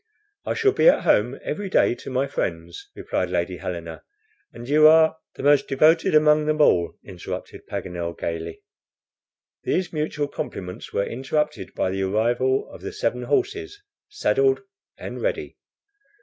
"I shall be at home every day to my friends," replied Lady Helena; "and you are " "The most devoted among them all," interrupted Paganel, gaily. These mutual compliments were interrupted by the arrival of the seven horses, saddled and ready.